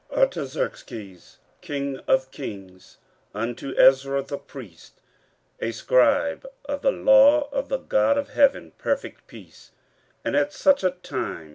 15:007:012 Artaxerxes, king of kings, unto Ezra the priest, a scribe of the law of the God of heaven, perfect peace, and at such a time.